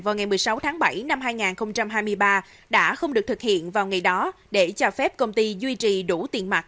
vào ngày một mươi sáu tháng bảy năm hai nghìn hai mươi ba đã không được thực hiện vào ngày đó để cho phép công ty duy trì đủ tiền mặt